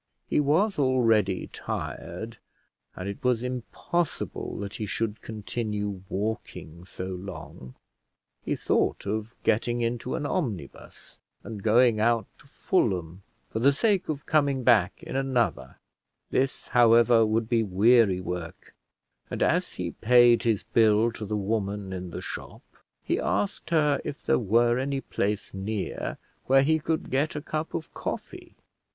He was already tired, and it was impossible that he should continue walking so long. He thought of getting into an omnibus, and going out to Fulham for the sake of coming back in another: this, however, would be weary work, and as he paid his bill to the woman in the shop, he asked her if there were any place near where he could get a cup of coffee.